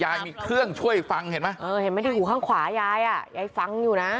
ยังมีเครื่องช่วยฟังเห็นไหมเออเห็นไหมที่หูข้างขวายายอ่ะยายฟังอยู่นะ